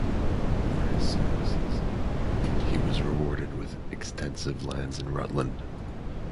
For his services, he was rewarded with extensive lands in Rutland.